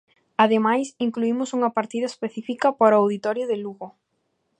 Ademais, incluímos unha partida específica para o auditorio de Lugo.